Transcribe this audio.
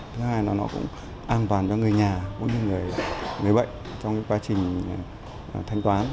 thứ hai là nó cũng an toàn cho người nhà mỗi người bệnh trong quá trình thanh toán